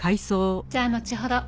じゃあのちほど。